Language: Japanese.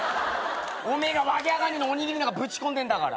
お前が訳分かんねえのおにぎりの中ぶち込んでんだから。